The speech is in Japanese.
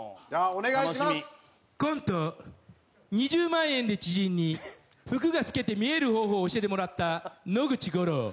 「２０万円で知人に服が透けて見える方法を教えてもらった野口五郎」。